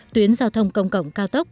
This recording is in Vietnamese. tuyến giao thông công cộng cao tốc